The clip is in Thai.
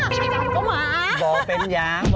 ไม่มีหัวผีก๋องหมาบอกเป็นอย่าง